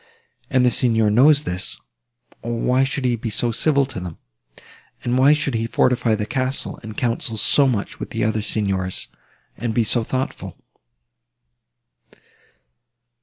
And the Signor knows this, or why should he be so civil to them? And why should he fortify the castle, and counsel so much with the other Signors, and be so thoughtful?"